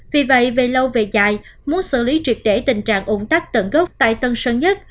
vì vậy về lâu về dài muốn xử lý triệt để tình trạng ủng tắc tận gốc tại tân sơn nhất